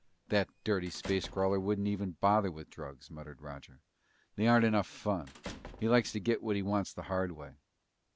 "That dirty space crawler wouldn't even bother with drugs," muttered Roger. "They aren't enough fun. He likes to get what he wants the hard way."